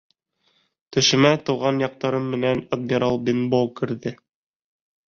Төшөмә тыуған яҡтарым менән «Адмирал Бенбоу» керҙе.